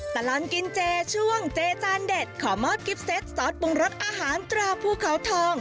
ตลอดกินเจช่วงเจจานเด็ดขอมอบกิ๊บเซตซอสปรุงรสอาหารตราภูเขาทอง